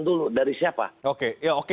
dulu dari siapa oke ya oke